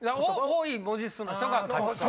多い文字数の人が勝ち。